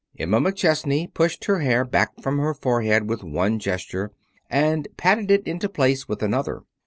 Emma McChesney pushed her hair back from her forehead with one gesture and patted it into place with another.